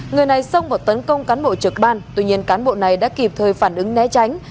người này xông vào tấn công cán bộ trực ban tuy nhiên cán bộ này đã kịp thời phản ứng né tránh